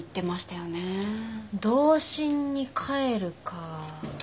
童心に返るかぁ。